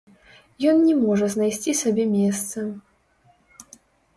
Ён не можа знайсцi сабе месца...